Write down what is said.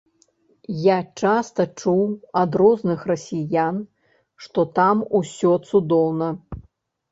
Я часта чуў ад розных расіян, што там ўсё цудоўна.